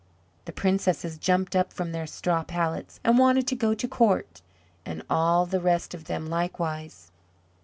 The princesses jumped up from their straw pallets, and wanted to go to court; and all the rest of them likewise.